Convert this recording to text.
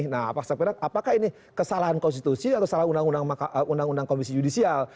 nah apakah ini kesalahan konstitusi atau kesalahan undang undang komisi yudisial